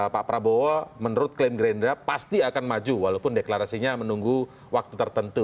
pak prabowo menurut klaim gerindra pasti akan maju walaupun deklarasinya menunggu waktu tertentu